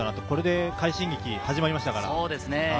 これで快進撃が始まりましたから。